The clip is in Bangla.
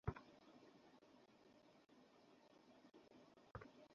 আমাদের মানব মর্যাদাকে তাচ্ছিল্য করা ঔপনিবেশিক শাসনের আমি অবসান দাবি করি।